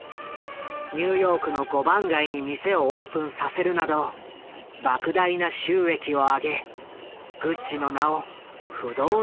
ニューヨークの５番街に店をオープンさせるなどばく大な収益を上げグッチの名を不動のものとした。